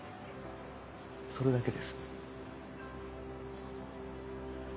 それだけです。